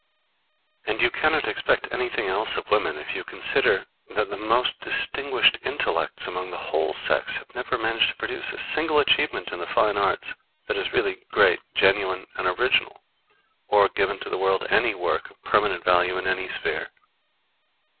And you cannot expect anything else of women if you consider that the most distinguished intellects among the whole sex have never managed to produce a single achievement in the fine arts that is really great, genuine, and original; or given to the world any work of permanent value in any sphere.